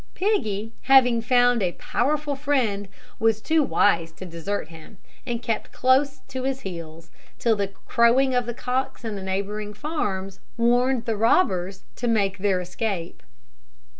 Piggy, having found a powerful friend, was too wise to desert him, and kept close to his heels, till the crowing of the cocks in the neighbouring farms warned the robbers to make their escape.